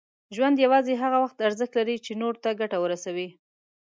ژوند یوازې هغه وخت ارزښت لري، چې نور ته ګټه ورسوي.